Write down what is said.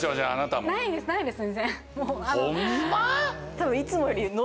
多分いつもより。